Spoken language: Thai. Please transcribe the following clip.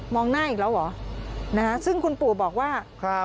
มองหน้าอีกแล้วเหรอซึ่งคุณปู่บอกว่า